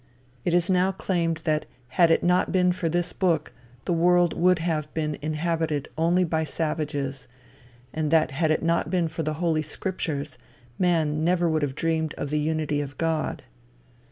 It is now claimed that had it not been for this book, the world would have been inhabited only by savages, and that had it not been for the holy scriptures, man never would have even dreamed of the unity of God.